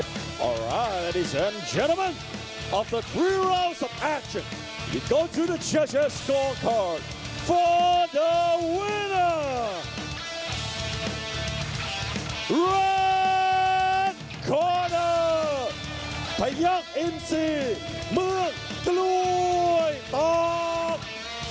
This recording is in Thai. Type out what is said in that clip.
พัยยักษ์เอ็มซีเมืองกล้วยตอบ